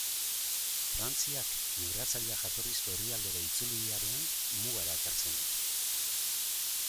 Frantziak migratzaileak jatorrizko herrialdera itzuli beharrean, mugara ekartzen ditu.